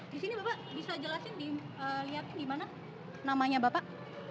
di sini bapak bisa jelasin dilihatin di mana namanya bapak